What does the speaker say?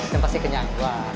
dan pasti kenyang